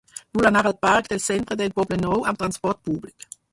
Vull anar al parc del Centre del Poblenou amb trasport públic.